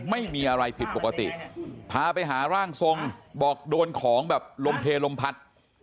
ไม่มีอะไรผิดปกติพาไปหาร่างทรงบอกโดนของแบบลมเพลลมพัด